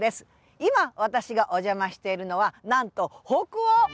今私がお邪魔しているのはなんと北欧。